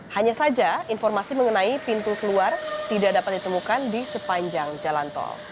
hanya saja informasi mengenai pintu keluar tidak dapat ditemukan di sepanjang jalan tol